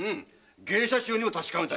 芸者衆にも確かめた。